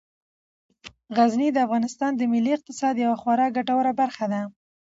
غزني د افغانستان د ملي اقتصاد یوه خورا ګټوره برخه ده.